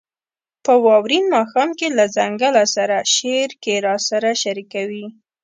« په واورین ماښام کې له ځنګله سره» شعر کې راسره شریکوي: